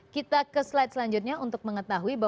kita ke slide selanjutnya untuk mengetahui